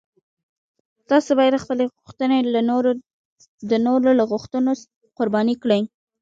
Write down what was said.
تاسو باید خپلې غوښتنې د نورو له غوښتنو قرباني کړئ.